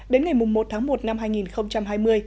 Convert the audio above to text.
đến ngày một tháng một năm hai nghìn một mươi chín